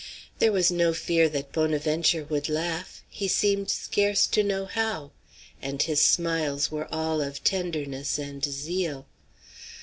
There was no fear that Bonaventure would laugh; he seemed scarce to know how; and his smiles were all of tenderness and zeal.